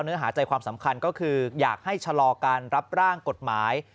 เนื้อหาใจความสำคัญก็คืออยากให้ชะลอการรับร่างกฎหมาย